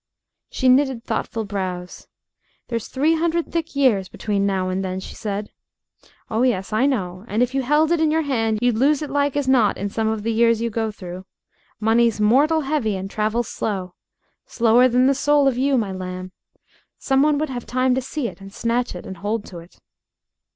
She knitted thoughtful brows. "There's three hundred thick years between now and then," she said. "Oh, yes, I know. And if you held it in your hand, you'd lose it like as not in some of the years you go through. Money's mortal heavy and travels slow. Slower than the soul of you, my lamb. Some one would have time to see it and snatch it and hold to it."